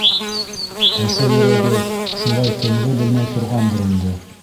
Әсә йөрәге шулай тынғы белмәй торғандыр инде.